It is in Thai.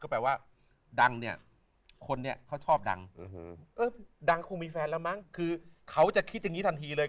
แปลว่าดังเนี่ยคนนี้เขาชอบดังดังคงมีแฟนแล้วมั้งคือเขาจะคิดอย่างนี้ทันทีเลย